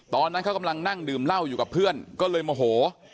ตอนนั้นเขากำลังนั่งดื่มเหล้าอยู่กับเพื่อนก็เลยโมโห